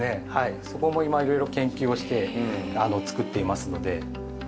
そこもいろいろ研究をして今作っていますので。